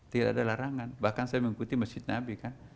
tidak ada larangan bahkan saya mengikuti masjid nabi kan